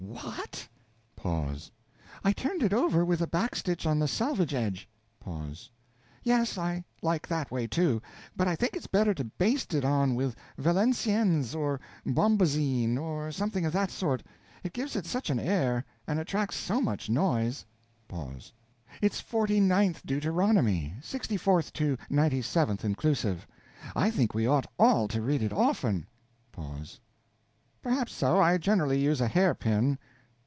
What? Pause. I turned it over with a backstitch on the selvage edge. Pause. Yes, I like that way, too; but I think it's better to baste it on with Valenciennes or bombazine, or something of that sort. It gives it such an air and attracts so much noise. Pause. It's forty ninth Deuteronomy, sixty forth to ninety seventh inclusive. I think we ought all to read it often. Pause. Perhaps so; I generally use a hair pin.